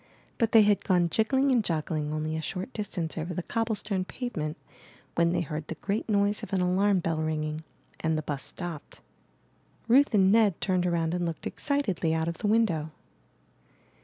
But they had gone jiggling and joggling only a short distance over the cobble stone pave ment, when they heard the great noise of an alarm bell ringing, and the bus stopped. Ruth and Ned turned around and looked excitedly out of the win dow.